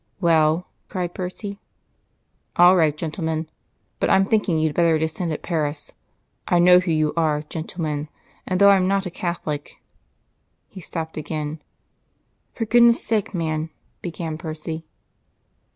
"Well?" cried Percy. "All right, gentlemen. But I'm thinking you'd better descend at Paris. I know who you are, gentlemen and though I'm not a Catholic " He stopped again. "For God's sake, man " began Percy.